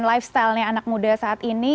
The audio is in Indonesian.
lifestyle nya anak muda saat ini